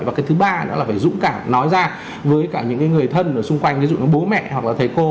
và cái thứ ba nữa là phải dũng cảm nói ra với cả những người thân ở xung quanh ví dụ như bố mẹ hoặc là thầy cô